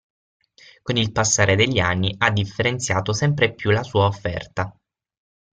Con il passare degli anni ha differenziato sempre più la sua offerta.